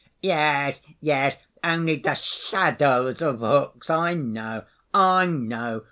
"Yes, yes, only the shadows of hooks, I know, I know.